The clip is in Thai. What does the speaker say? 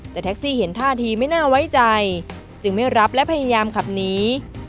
แต่แท็กซี่เห็นท่าทีไม่น่าไว้ใจจึงไม่รับและพยายามขับหนี